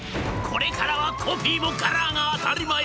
これからはコピーもカラーが当たり前。